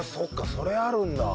それあるんだ。